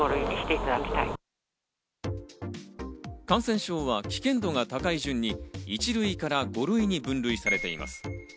感染症は危険度が高い順に１類から５類に分類されています。